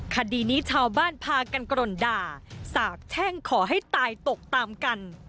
คดีนี้ชาวบ้านพากันกรนด่าสาบแช่งขอให้ตายตกตามกัน